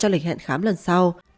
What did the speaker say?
lịch hẹn khám lần sau